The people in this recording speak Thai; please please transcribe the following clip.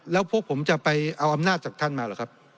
แล้วพวกผมจะไปเอาอำนาจจากท่านมาหรือครับ